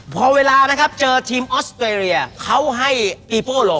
พอเวลานะครับเจอทีมออสเตรเลียเขาให้อีโป้โล